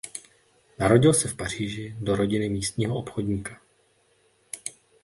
Narodil se v Paříži do rodiny místního obchodníka.